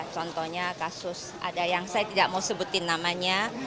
contohnya kasus ada yang saya tidak mau sebutin namanya